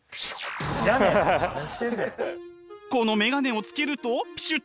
この眼鏡をつけるとピシュ！